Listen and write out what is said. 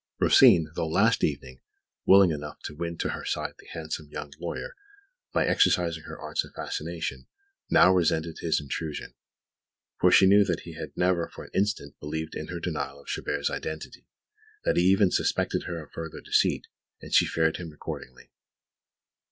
Rosine, though last evening willing enough to win to her side the handsome young lawyer by exercising her arts of fascination, now resented his intrusion; for she knew that he had never for an instant believed in her denial of Chabert's identity, that he even suspected her of further deceit, and she feared him accordingly.